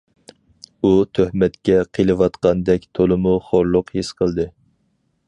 ئۇ تۆھمەتكە قېلىۋاتقاندەك تولىمۇ خورلۇق ھېس قىلدى.